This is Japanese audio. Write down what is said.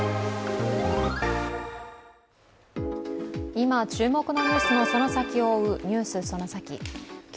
今、注目のニュースのその先を追う「ＮＥＷＳそのサキ！」。